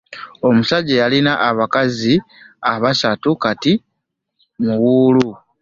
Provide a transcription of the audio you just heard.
Omusajja eyalina abakazi abasatu kati muwuulu!